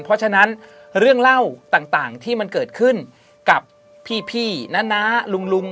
เพราะฉะนั้นเรื่องเล่าต่างต่างที่มันเกิดขึ้นกับพี่พี่นะนะลุงลุง